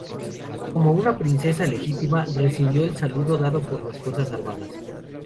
Como una princesa legítima, recibió el saludo dado por las fuerzas armadas.